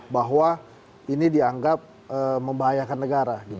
bahwa ini dianggap membahayakan negara